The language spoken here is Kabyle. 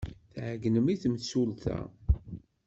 Tɛeyynem i temsulta.